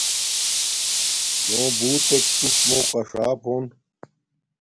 نݸ بُݸتݵک تُسمݸ قݽݳپ ہݸن.